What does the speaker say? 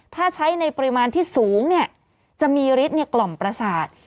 ถ้าใช้ในปริมาณที่สูงจะมีฤทธิ์กล่อมประสาท